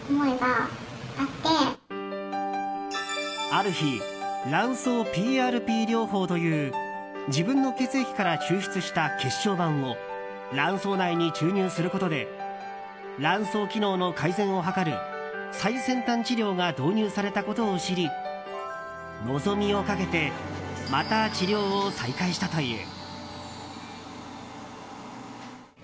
ある日、卵巣ＰＲＰ療法という自分の血液から抽出した血小板を卵巣内に注入することで卵巣機能の改善を図る最先端治療が導入されたことを知り望みをかけてまた治療を再開したという。